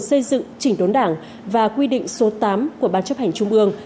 xây dựng chỉnh đốn đảng và quy định số tám của ban chấp hành trung ương